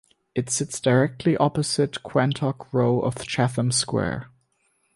It sits directly opposite Quantock Row of Chatham Square.